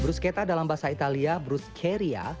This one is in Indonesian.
bruschetta dalam bahasa italia bruscheria